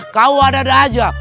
kau ada ada aja